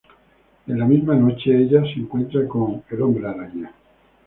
En la misma noche, ella se encuentra con Spider-Man.